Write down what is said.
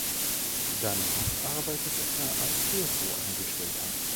Danach arbeitete er als Büroangestellter.